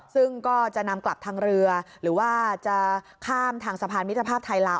ซึ่งก็จะนำกลับทางเรือหรือว่าจะข้ามทางสะพานมิตรภาพไทยลาว